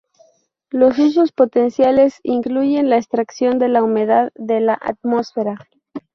Los usos potenciales incluyen la extracción de la humedad de la atmósfera.